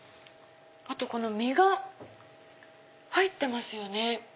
あと実が入ってますよね。